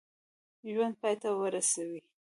ژوند پای ته ورسوي.